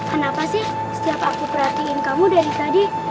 kenapa sih setiap aku perhatiin kamu dari tadi